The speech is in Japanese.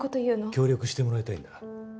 協力してもらいたいんだ。